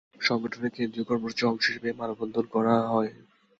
সংগঠনের কেন্দ্রীয় কর্মসূচির অংশ হিসেবে এ মানববন্ধন করা হয়।